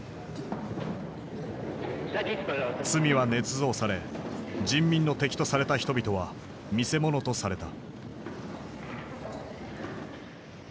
罪はねつ造され人民の敵とされた人々は見せ物とされた。